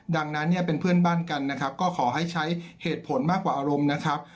ดังนั้นเนี่ยเป็นเพื่อนบ้านกันนะครับก็ขอให้ใช้เหตุผลมากกว่าอารมณ์นะครับ